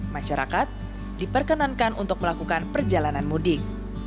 masyarakat diperkenankan untuk melakukan perjalanan mudik